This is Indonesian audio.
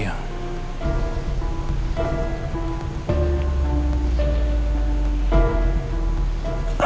nah sepertinya cuma ada suatu hal